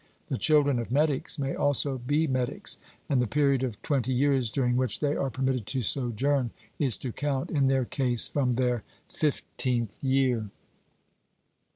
The children of metics may also be metics; and the period of twenty years, during which they are permitted to sojourn, is to count, in their case, from their fifteenth year.